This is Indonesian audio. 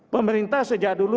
pemerintah sejak dulu